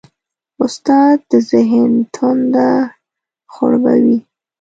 استاد د ذهن تنده خړوبوي.